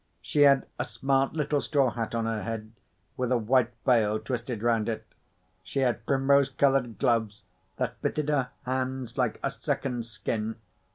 She had a smart little straw hat on her head, with a white veil twisted round it. She had primrose coloured gloves that fitted her hands like a second skin.